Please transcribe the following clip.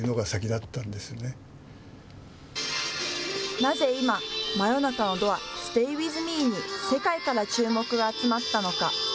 なぜ今、真夜中のドアＳｔａｙＷｉｔｈＭｅに、世界から注目が集まったのか。